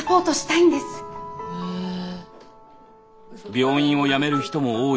病院を辞める人も多い中